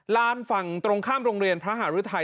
ลานฝั่งตรงข้ามโรงเรียนพระหารุทัย